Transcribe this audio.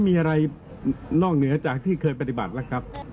มีอะไรนอกเหนือจากที่เคยปฏิบัติแล้วครับ